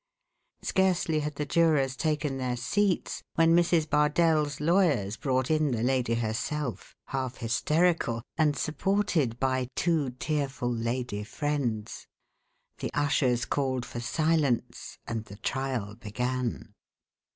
Scarcely had the jurors taken their seats, when Mrs. Bardell's lawyers brought in the lady herself, half hysterical, and supported by two tearful lady friends. The ushers called for silence and the trial began.